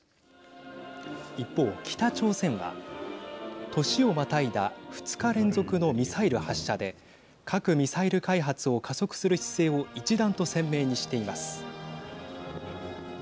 一方、北朝鮮は年をまたいだ２日連続のミサイル発射で核・ミサイル開発を加速する姿勢を一段と鮮明にしています。